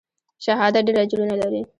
شهادت ډېر اجرونه لري.